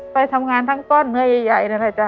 ไปทำงานทั้งก้อนเนื้อใหญ่นั่นแหละจ๊